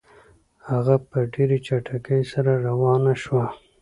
هغه په ډېرې چټکۍ سره روانه شوه.